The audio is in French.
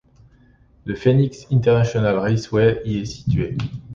Le Phoenix International Raceway y est situé.